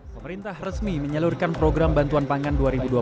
pemerintah resmi menyalurkan program bantuan pangan dua ribu dua puluh